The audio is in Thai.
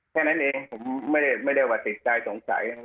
แค่นั้นเองผมไม่ได้ว่าติดใจสงสัย